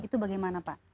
itu bagaimana pak